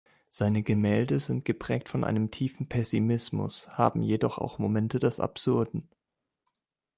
Seine Gemälde sind geprägt von einem tiefen Pessimismus, haben jedoch auch Momente des Absurden.